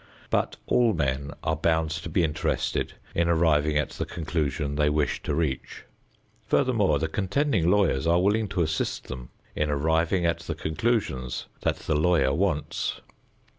But all men are bound to be interested in arriving at the conclusion they wish to reach. Furthermore, the contending lawyers are willing to assist them in arriving at the conclusions that the lawyer wants.